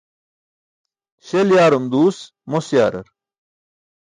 Śel yaarum duus mos yaarar.